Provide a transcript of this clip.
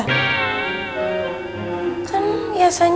kan biasanya jesi yang makeupin